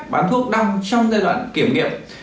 bán thuốc đăng trong giai đoạn kiểm nghiệm